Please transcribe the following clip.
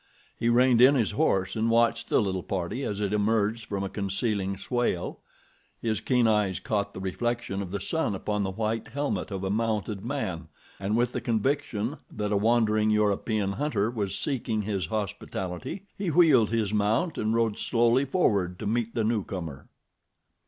He reined in his horse and watched the little party as it emerged from a concealing swale. His keen eyes caught the reflection of the sun upon the white helmet of a mounted man, and with the conviction that a wandering European hunter was seeking his hospitality, he wheeled his mount and rode slowly forward to meet the newcomer.